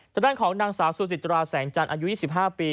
ทางด้านของนางสาวสุจิตราแสงจันทร์อายุ๒๕ปี